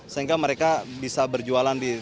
sehingga mereka bisa berjualan di